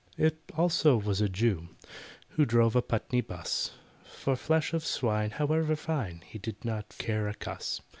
It also was a Jew, Who drove a Putney 'bus— For flesh of swine however fine He did not care a cuss.